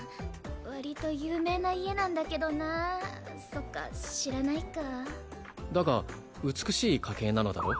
わりと有名な家なんだけどなーそっか知らないかーだが美しい家系なのだろう？